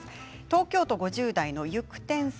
東京都５０代の方。